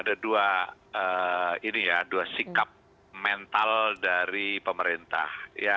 ada dua sikap mental dari pemerintah